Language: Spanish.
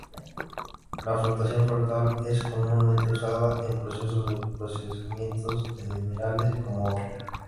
La "flotación frontal" es comúnmente usada en procesos de procesamientos de minerales como oros.